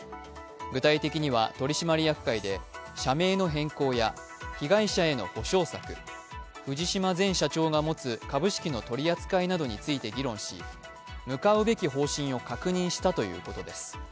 具体的には、取締役会で社名の変更や被害者への補償策、藤島前社長が持つ株式の取り扱いなどについて議論し向かうべき方針を確認したということです。